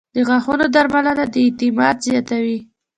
• د غاښونو درملنه د اعتماد زیاتوي.